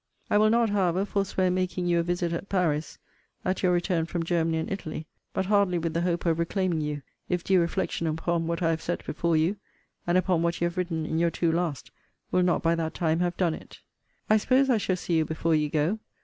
I will not, however, forswear making you a visit at Paris, at your return from Germany and Italy: but hardly with the hope of reclaiming you, if due reflection upon what I have set before you, and upon what you have written in your two last, will not by that time have done it. I suppose I shall see you before you go.